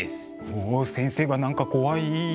おお先生が何か怖い。